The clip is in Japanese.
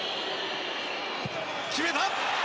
決めた！